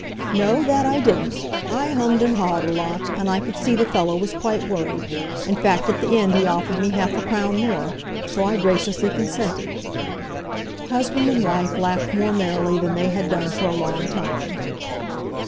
"No, that I didn't! I hum'd and haw'd a lot; and I could see the fellow was quite worried—in fact, at the end he offered me half a crown more. So I graciously consented!" Husband and wife laughed more merrily than they had done for a long time.